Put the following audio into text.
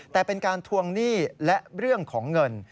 แต่เป็นการทวงหนี้และเรื่องของเงิน